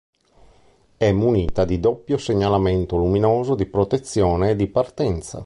È munita di doppio segnalamento luminoso di protezione e partenza.